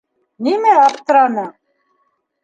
-Нимә аптыраның?